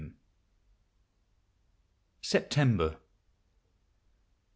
147 SEPTEMBER.